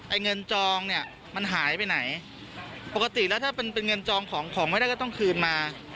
เงินจองเนี่ยมันหายไปไหนปกติแล้วถ้าเป็นเป็นเงินจองของของไม่ได้ก็ต้องคืนมา